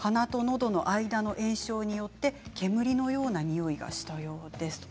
鼻とのどの間の炎症によって煙のようなにおいがしたようです。